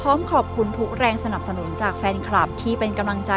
แล้วขอบคุณด้วยก็แล้วกันครับ